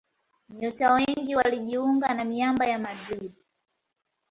Nyota wengi walijiunga na miamba ya Madrid